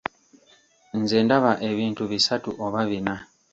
Nze ndaba ebintu bisatu oba bina.